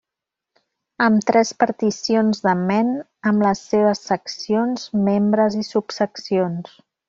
Amb tres particions de Maine amb les seves seccions, membres, i subseccions.